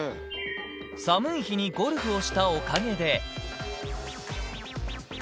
寒い日にゴルフをしたおかげで。